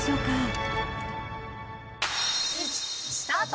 スタート！